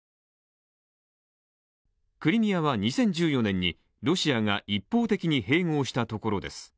クリミアは２０１４年にロシアが一方的に併合したところです。